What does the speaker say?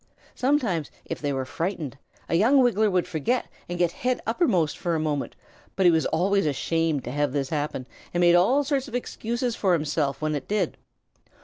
Sometimes, if they were frightened, a young Wiggler would forget and get head uppermost for a minute, but he was always ashamed to have this happen, and made all sorts of excuses for himself when it did.